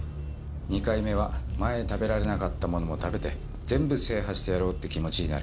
２回目は前食べられなかったものも食べて全部制覇してやろうって気持ちになる。